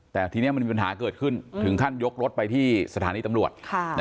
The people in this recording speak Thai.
แต่ทีนี้มันมีปัญหาเกิดขึ้นถึงขั้นยกรถไปที่สถานีตำรวจ